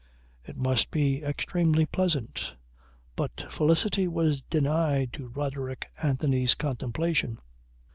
It must be extremely pleasant. But felicity was denied to Roderick Anthony's contemplation.